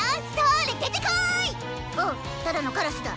おっただのカラスだ。